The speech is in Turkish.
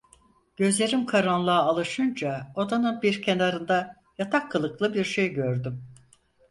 Gözlerim karanlığa alışınca odanın bir kenannda yatak kılıklı bir şey gördüm.